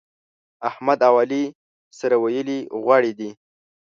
احمد او علي سره ويلي غوړي دي.